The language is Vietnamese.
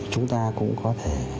chúng ta cũng có thể